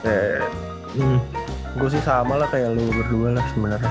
kayak gue sih sama lah kayak lu berdua lah sebenarnya